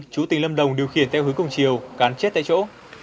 chú tỉnh lâm đồng điều khiển theo hướng cùng chiều cán chết tại chỗ